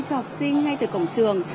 cho học sinh ngay từ cổng trường